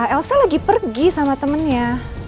elsa lagi pergi sama temennya